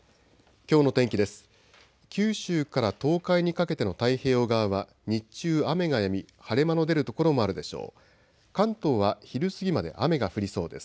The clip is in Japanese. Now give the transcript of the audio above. きょうの天気です。